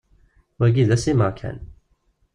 Wagi d assimeɣ kan.